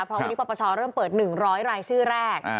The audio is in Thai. เพราะวันนี้ปปชเริ่มเปิด๑๐๐รายชื่อแรก